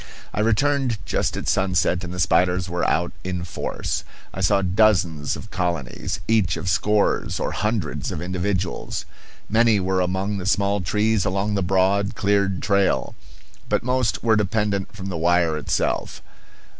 I returned just at sunset and the spiders were out in force. I saw dozens of colonies, each of scores or hundreds of individuals. Many were among the small trees alongside the broad, cleared trail. But most were dependent from the wire itself.